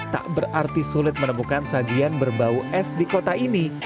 tak berarti sulit menemukan sajian berbau es di kota ini